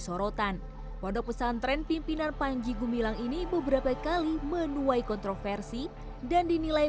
sorotan pondok pesantren pimpinan panji gumilang ini beberapa kali menuai kontroversi dan dinilai